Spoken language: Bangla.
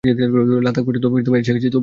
লাদাখ পর্যন্ত এসে গেছে তো ভাইরাস।